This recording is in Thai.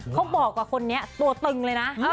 บอกว่าคนนี้ตัวตึงเลยนะ